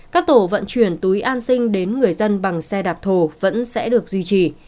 các tổ vận chuyển túi an sinh đến người dân bằng xe đạp thổ vẫn sẽ được duy trì